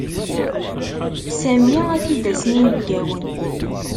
Sami ad t-id-asen yinebgawen.